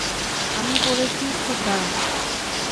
আমি পড়েছি খুব দারুন।